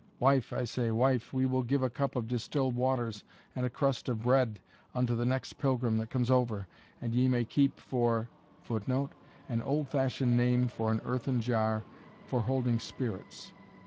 Wife, I say wife, we will give a cup of distilled waters and a crust of bread unto the next pilgrim that comes over; and ye may keep for [Footnote: An old fashioned name for an earthen jar for holding spirits.